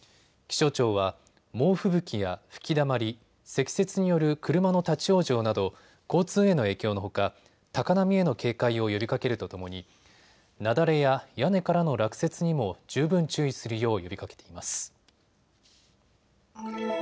気象庁は猛吹雪や吹きだまり、積雪による車の立往生など交通への影響のほか高波への警戒を呼びかけるとともに雪崩や屋根からの落雪にも十分注意するよう呼びかけています。